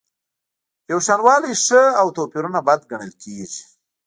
یوشانوالی ښه او توپیرونه بد ګڼل کیږي.